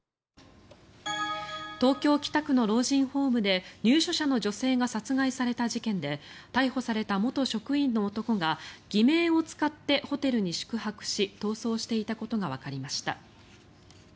東京・北区の老人ホームで入所者の女性が殺害された事件で逮捕された元職員の男が偽名を使ってホテルに宿泊し逃走していたことがわかりました。